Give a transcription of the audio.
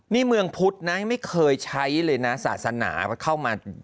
นี่เมืองพุทธนะไม่เคยใช้เลยนะศาสนาเข้ามา